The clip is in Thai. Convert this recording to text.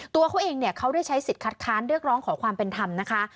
ตัวเขาเองเนี่ยเขาได้ใช้สิทธิ์คัดค้านเรียกร้องขอความเป็นธรรมนะคะ